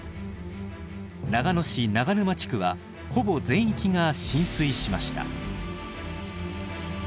長野市長沼地区はほぼ全域が浸水しました。